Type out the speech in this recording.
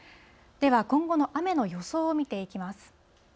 では今後の雨の予想を見ていきます。